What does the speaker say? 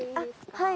はい。